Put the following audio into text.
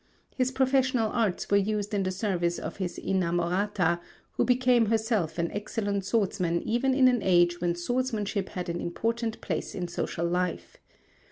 His professional arts were used in the service of his inamorata, who became herself an excellent swordsman even in an age when swordsmanship had an important place in social life.